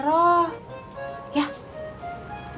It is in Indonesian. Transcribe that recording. doll pak buk